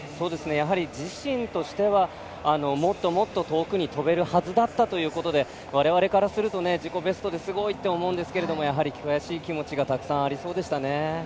やはり自身としてはもっともっと遠くに跳べるはずだったということで我々からすると自己ベストですごいって思うんですけれどもやはり悔しい気持ちがたくさんありそうでしたね。